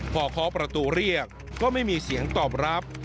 พอเคาะประตูเรียกก็ไม่มีเสียงตอบรับ